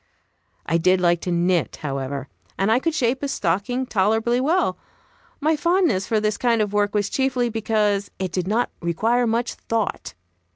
I did like to knit, however, and I could shape a stocking tolerably well. My fondness for this kind of work was chiefly because it did not require much thought.